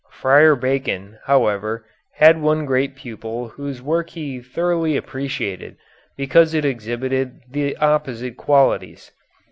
Friar Bacon, however, had one great pupil whose work he thoroughly appreciated because it exhibited the opposite qualities.